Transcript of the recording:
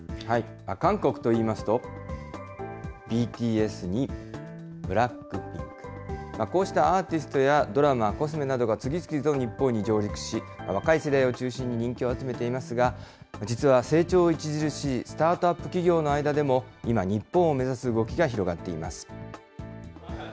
韓国といいますと、ＢＴＳにＢＬＡＣＫＰＩＮＫ、こうしたアーティストや、ドラマ、コスメなどが次々と日本に上陸し、若い世代を中心に人気を集めていますが、実は成長著しいスタートアップ企業の間でも、今、日本を目指す動きが広がっています。